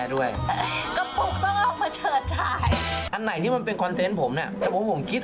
ดูกับพวกครู